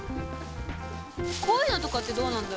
こういうのとかってどうなんだろう？